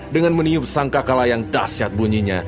dengan meniup sang kakala yang dahsyat bunyinya